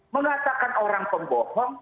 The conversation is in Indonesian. mengatakan orang pembohong